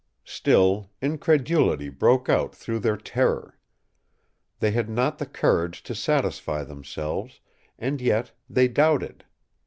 Still incredulity broke out through their terror. They had not the courage to satisfy themselves, and yet they doubted.